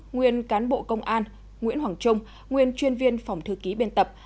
nguyên cán bộ công an nguyễn hoàng trung nguyên chuyên viên phòng thư ký biên tập